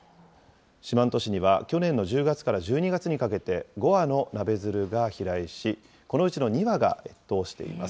四万十市には去年の１０月から１２月にかけて、５羽のナベヅルが飛来し、このうちの２羽が越冬しています。